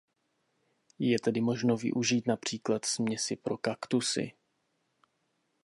Je tedy možno využít například směsi pro kaktusy.